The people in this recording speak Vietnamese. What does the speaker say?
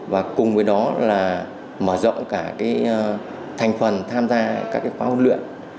và cùng với đó là mở rộng cả thành phần tham gia các khóa huấn luyện